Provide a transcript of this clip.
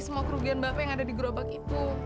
semua kerugian bapak yang ada di gerobak itu